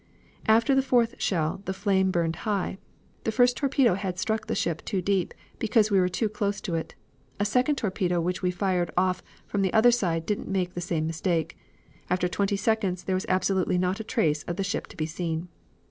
After the fourth shell the flame burned high. The first torpedo had struck the ship too deep, because we were too close to it. A second torpedo which we fired off from the other side didn't make the same mistake. After twenty seconds there was absolutely not a trace of the ship to be seen.